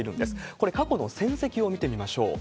これ、過去の戦績を見てみましょう。